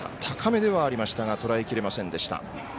高めではありましたがとらえきれませんでした。